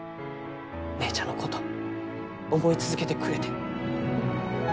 姉ちゃんのこと思い続けてくれて。